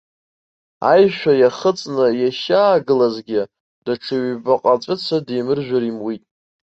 Аишәа иахыҵны иахьаагылазгьы даҽа ҩбаҟа аҵәыца димыржәыр имуит.